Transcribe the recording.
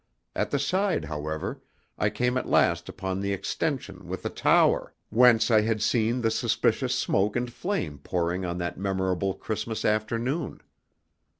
At the side, however, I came at last upon the extension with the tower, whence I had seen the suspicious smoke and flame pouring on that memorable Christmas afternoon.